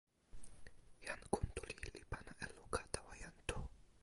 jan Kuntuli li pana e luka tawa jan Tu.